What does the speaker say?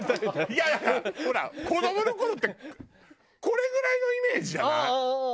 いやいやほら子どもの頃ってこれぐらいのイメージじゃない？